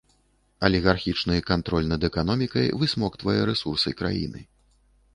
Алігархічны кантроль над эканомікай высмоктвае рэсурсы краіны.